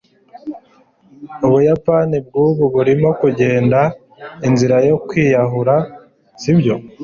ubuyapani bwubu burimo kugenda inzira yo kwiyahura, sibyo